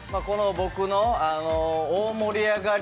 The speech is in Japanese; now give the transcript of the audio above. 僕の大盛り上がり